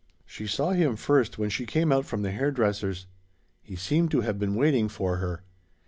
She saw him first when she came out from the hair dresser's. He seemed to have been waiting for her.